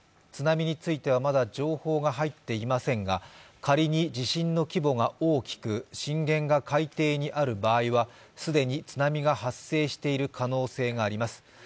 津波についてはまだ情報が入っていませんが、仮に地震の規模が大きく震源が海底にある場合は既に津波が発生している可能性があります。